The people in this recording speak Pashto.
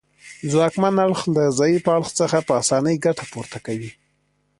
ځواکمن اړخ له ضعیف اړخ څخه په اسانۍ ګټه پورته کوي